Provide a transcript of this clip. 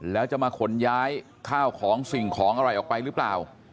แล้วจะมาขนย้ายข้าวของสิ่งของอะไรออกไปหรือเปล่า